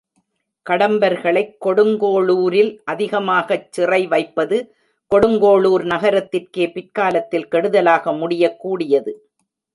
கடம்பர்களைக் கொடுங்கோளுரில் அதிகமாகச் சிறை வைப்பது கொடுங்கோளுர் நகரத்திற்கே பிற்காலத்தில் கெடுதலாக முடியக் கூடியது.